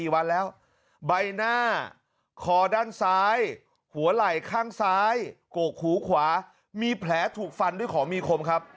ใบหน้าคอด้านซ้ายหัวไหล่ข้างซ้ายโกกหูขวามีแผลถูกฟันด้วยของมีคมครับ